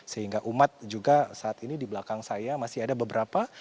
sehingga umat juga saat ini di belakang saya masih ada beberapa